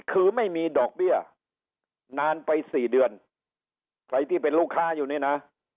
คือไม่มีดอกเบี้ยนานไปสี่เดือนใครที่เป็นลูกค้าอยู่นี่นะ